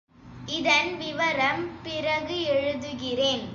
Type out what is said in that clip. இதன் விவரம் பிறகு எழுதுகிறேன்.